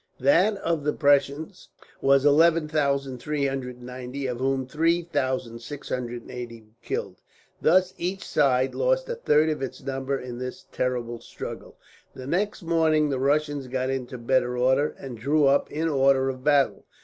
That of the Prussians was eleven thousand, three hundred and ninety, of whom three thousand six hundred and eighty were killed. Thus each side lost a third of its number in this terrible struggle. The next morning the Russians got into better order, and drew up in order of battle.